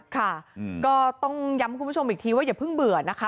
ค่ะก็ต้องย้ำคุณผู้ชมอีกทีว่าอย่าเพิ่งเบื่อนะคะ